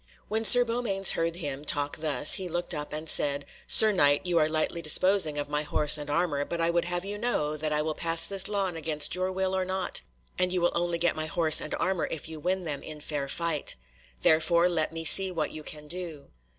When Sir Beaumains heard him talk thus he looked up and said, "Sir Knight, you are lightly disposing of my horse and armour, but I would have you know that I will pass this lawn against your will or not, and you will only get my horse and armour if you win them in fair fight. Therefore let me see what you can do."